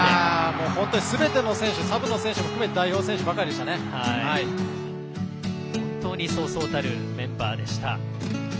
本当にすべての選手サブの選手も含めて本当にそうそうたるメンバーでした。